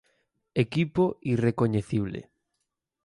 Equipo irrecoñecible.